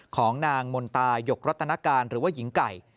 ของนางมนตายกรัตนการหรือว่าหญิงไก่